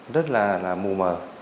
rất là mù mờ